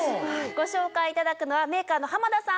ご紹介いただくのはメーカーの濱田さんです。